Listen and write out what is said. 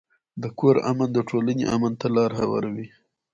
د کور امن د ټولنې امن ته لار هواروي.